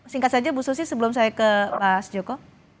singkat saja ibu susi sebelum saya ke pak sjoko